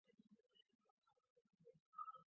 这亦是球队在洲际比赛的第一个冠军。